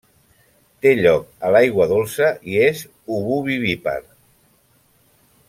Té lloc a l'aigua dolça i és ovovivípar.